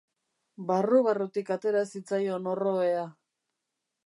Barru-barrutik atera zitzaion orroea.